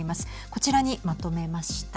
こちらにまとめました。